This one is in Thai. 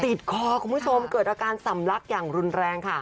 ติดคอคุณผู้ชมเกิดอาการสำลักอย่างรุนแรงค่ะ